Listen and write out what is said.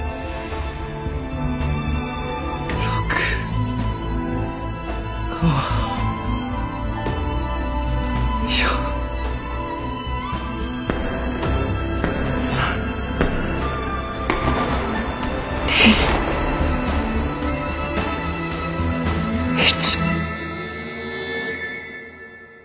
６５４３２１。